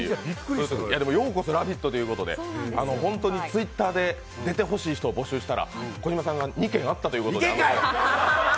ようこそラヴィット！ということで本当にＴｗｉｔｔｅｒに出てほしい人を募集したら児嶋さんが２件あったということで。